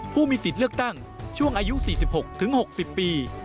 ผู้มีสิทธิ์เลือกตั้งช่วงอายุ๔๖๖๐ปี